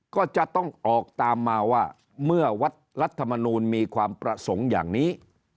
ก็จะต้องออกตามมาว่าเมื่อวัดรัฐมนูลมีความประสงค์อย่างนี้